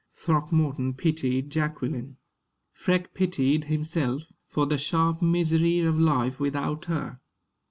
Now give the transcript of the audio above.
Throckmorton pitied Jacqueline. Freke pitied himself, for the sharp misery of life without her.